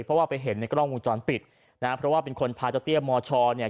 เพราะว่าไปเห็นในกล้องวงจรปิดนะฮะเพราะว่าเป็นคนพาเจ้าเตี้ยมชเนี่ย